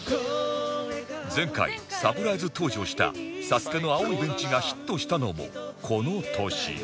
前回サプライズ登場したサスケの『青いベンチ』がヒットしたのもこの年